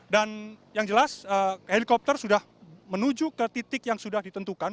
dan yang jelas helikopter sudah menuju ke titik yang sudah ditentukan